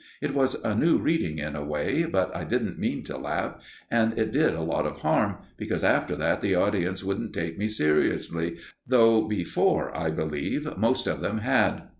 It was a new reading, in a way, but I didn't mean to laugh, and it did a lot of harm, because after that the audience wouldn't take me seriously, though before, I believe, most of them had.